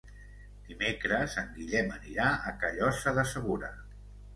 Dimecres en Guillem anirà a Callosa de Segura.